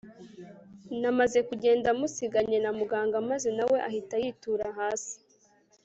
namaze kugenda musiganye na muganga maze nawe ahita yitura hasi